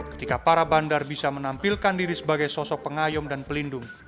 ketika para bandar bisa menampilkan diri sebagai sosok pengayom dan pelindung